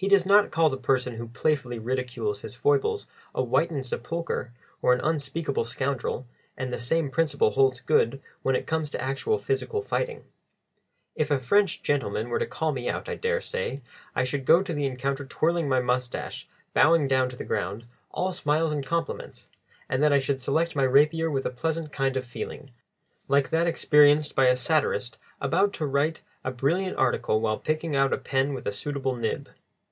He does not call the person who playfully ridicules his foibles a whitened sepulchre or an unspeakable scoundrel, and the same principle holds good when it comes to actual physical fighting. If a French gentleman were to call me out, I daresay I should go to the encounter twirling my moustache, bowing down to the ground, all smiles and compliments; and that I should select my rapier with a pleasant kind of feeling, like that experienced by the satirist about to write a brilliant article while picking out a pen with a suitable nib.